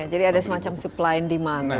jadi ada semacam supply and demand gitu ya